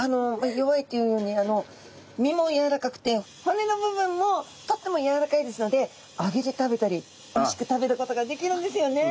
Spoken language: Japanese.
弱いと言うように身もやわらかくて骨の部分もとってもやわらかいですので揚げて食べたりおいしく食べることができるんですよね。